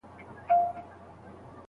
ماهر له زوی سره ټوکې نه کولې.